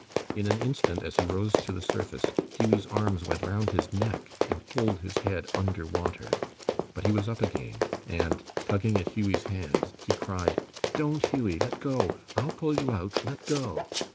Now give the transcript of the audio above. In an instant, as he rose to the surface, Hughie's arms went round his neck and pulled his head under water. But he was up again, and tugging at Hughie's hands, he cried: "Don't, Hughie! let go! I'll pull you out. Let go!"